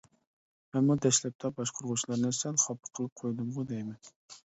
مەنمۇ دەسلەپتە باشقۇرغۇچىلارنى سەل خاپا قىلىپ قويدۇمغۇ دەيمەن.